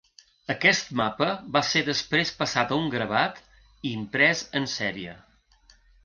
Aquest mapa va ser després passat a un gravat i imprès en sèrie.